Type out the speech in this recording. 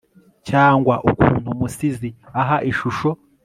cyangwa ukuntu umusizi aha ishusho